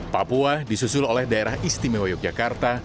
papua disusul oleh daerah istimewa yogyakarta